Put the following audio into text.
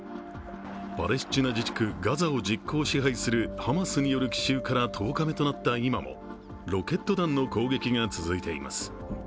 パレスチナ自治区ガザを実効支配するハマスによる奇襲から１０日目となった今もロケット弾の攻撃が続いています。